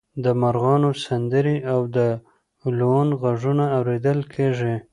د مرغانو سندرې او د لوون غږونه اوریدل کیږي